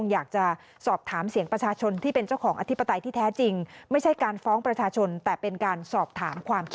อย่างนี้ได้ยืนแบบว่ารักภังรักภังรักภังรักภัง